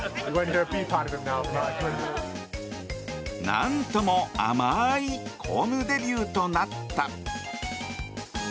何とも甘い公務デビューとなった。